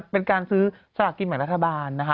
เป็นการซื้อศาลากินแบบราธบาล